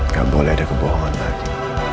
gak boleh ada kebohongan lagi